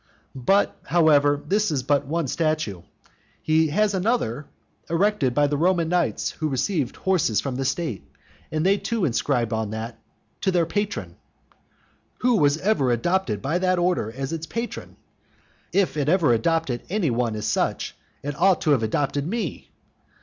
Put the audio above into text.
But, however, this is but one statue. He has another erected by the Roman knights who received horses from the state, and they too inscribe on that, "To their patron". Who was ever before adopted by that order as its patron? If it ever adopted any one as such, it ought to have adopted me.